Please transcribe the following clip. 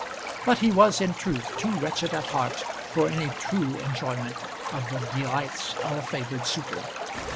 But he was in truth too wretched at heart for any true enjoyment of the delights of a favoured suitor.